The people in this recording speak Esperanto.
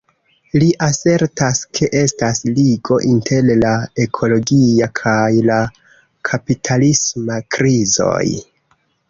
Li asertas ke estas ligo inter la ekologia kaj la kapitalisma krizoj.